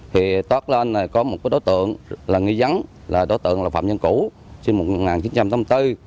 thì toát lên có một đối tượng là nguyễn văn là đối tượng là phạm nhân củ sinh năm một nghìn chín trăm tám mươi bốn